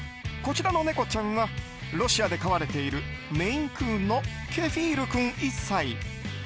こちらの猫ちゃんはロシアで飼われているメインクーンのケフィール君、１歳。